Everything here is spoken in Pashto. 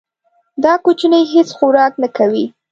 دا کوچنی هیڅ خوراک نه کوي.